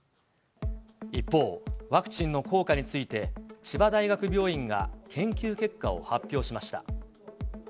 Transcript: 一方、ワクチンの効果について、千葉大学病院が研究結果を発表しました。